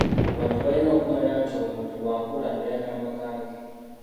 "Abantu balina okumanya nti omuntu bw’akula, abeera n’amaka ge."